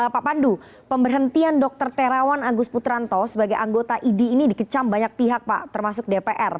pak pandu pemberhentian dr terawan agus putranto sebagai anggota idi ini dikecam banyak pihak pak termasuk dpr